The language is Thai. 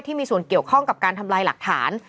ที่มีส่วนเกี่ยวข้องกับการทำลายหลักฐาน